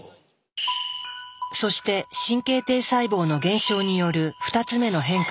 そして神経堤細胞の減少による２つ目の変化が攻撃性の低下だ。